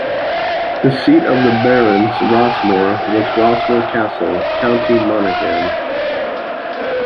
The seat of the Barons Rossmore was Rossmore Castle, County Monaghan.